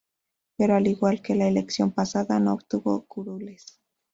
Pero al igual que en la elección pasada, no obtuvo curules.